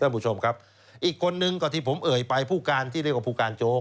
ท่านผู้ชมครับอีกคนนึงก็ที่ผมเอ่ยไปผู้การที่เรียกว่าผู้การโจ๊ก